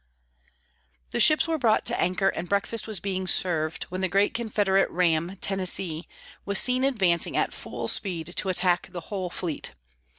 The ships were brought to anchor and breakfast was being served, when the great Confederate ram, Tennessee, was seen advancing at full speed, to attack the whole fleet.